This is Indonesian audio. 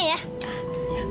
ya udah sayang